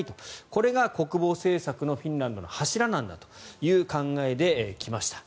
これが国防政策のフィンランドの柱なんだという考えで来ました。